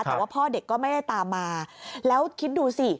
แต่ว่าพ่อเด็กก็ไม่ได้ตามมาแล้วคิดดูสิ